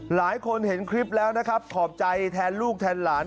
หลายคนเห็นคลิปแล้วนะครับขอบใจแทนลูกแทนหลาน